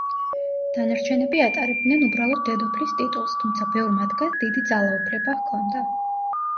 დანარჩენები ატარებდნენ უბრალოდ დედოფლის ტიტულს, თუმცა ბევრ მათგანს დიდი ძალაუფლება ჰქონდა.